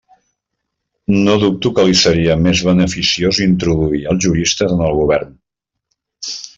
No dubto que li seria més beneficiós introduir els juristes en el govern.